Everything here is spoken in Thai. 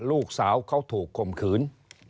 ลูกสาวเขาถูกข่มขืน